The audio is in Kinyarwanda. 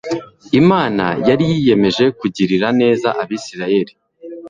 Imana yari yiyemeje kugirira neza Abisirayeli;